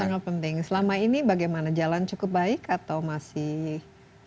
sangat penting selama ini bagaimana jalan cukup baik atau masih